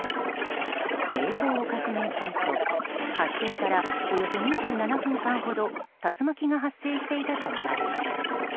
映像を確認すると発生からおよそ２７分間ほど竜巻が発生していたとみられます。